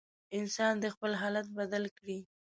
انسان دې خپل حالت بدل کړي.